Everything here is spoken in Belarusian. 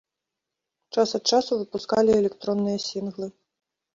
Час ад часу выпускалі электронныя сінглы.